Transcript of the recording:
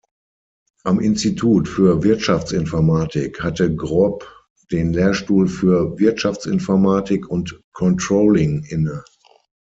Am Institut für Wirtschaftsinformatik hatte Grob den Lehrstuhl für Wirtschaftsinformatik und Controlling inne.